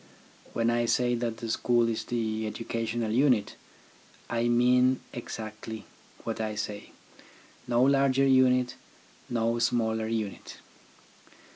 When I say that the school is the educational unit, I mean exactly what I say, no larger unit, no smaller unit.